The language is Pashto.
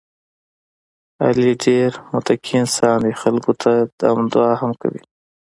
علي ډېر متقی انسان دی، خلکو ته دم دعا هم کوي.